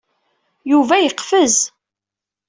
Yuba yeqfez.